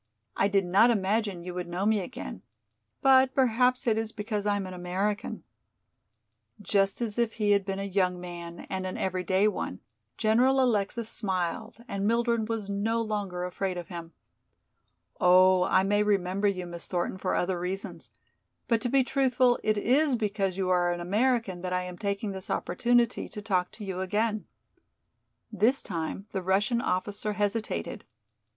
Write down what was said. "I did not imagine you would know me again, but perhaps it is because I am an American." Just as if he had been a young man and an everyday one, General Alexis smiled, and Mildred was no longer afraid of him. "Oh, I may remember you, Miss Thornton, for other reasons. But to be truthful it is because you are an American that I am taking this opportunity to talk to you again." This time the Russian officer hesitated.